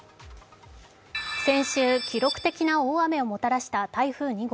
先週、記録的な大雨をもたらした台風２号。